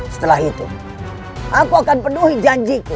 setelah itu aku akan penuhi janjiku